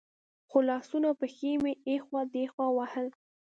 خو لاسونه او پښې مې اخوا دېخوا وهل.